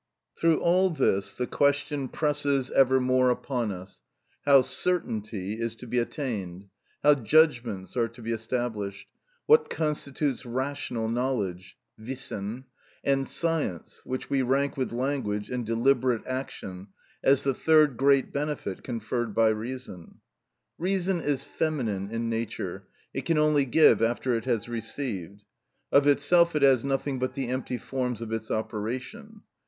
Through all this, the question presses ever more upon us, how certainty is to be attained, how _judgments __ are to be established_, what constitutes rational knowledge, (wissen), and science, which we rank with language and deliberate action as the third great benefit conferred by reason. Reason is feminine in nature; it can only give after it has received. Of itself it has nothing but the empty forms of its operation.